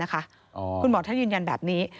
คุณหมอท่านยืนยันแบบนี้